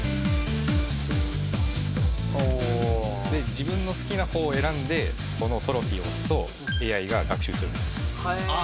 自分の好きな方を選んでこのトロフィーを押すとＡＩが学習するんです。